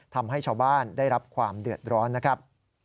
ทำให้ชาวบ้านได้รับความเดือดร้อนนะครับ